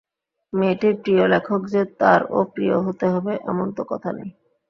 মেয়েটির প্রিয় লেখক যে তারও প্রিয় হতে হবে এমন তো কথা নেই।